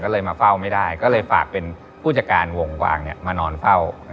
ก็เลยมาเฝ้าไม่ได้ก็เลยฝากเป็นผู้จัดการวงกวางมานอนเฝ้า